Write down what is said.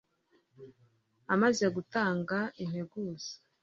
amaze gutanga integuza